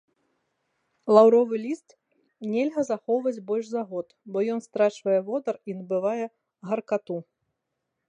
Лаўровы ліст нельга захоўваць больш за год, бо ён страчвае водар і набывае гаркату.